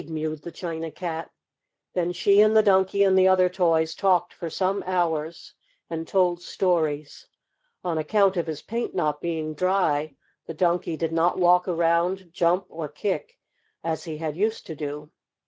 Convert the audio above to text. mewed the China Cat. Then she and the Donkey and the other toys talked for some hours, and told stories. On account of his paint not being dry the Donkey did not walk around, jump or kick as he had used to do.